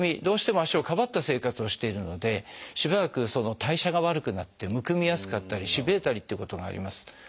どうしても足をかばった生活をしているのでしばらく代謝が悪くなってむくみやすかったりしびれたりっていうことがあります。